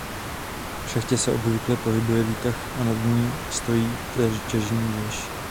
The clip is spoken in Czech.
V šachtě se obvykle pohybuje výtah a nad ní stojí těžní věž.